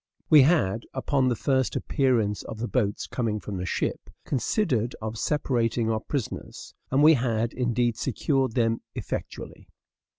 We had, upon the first appearance of the boat's coming from the ship, considered of separating our prisoners; and we had, indeed, secured them effectually.